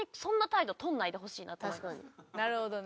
なるほどね。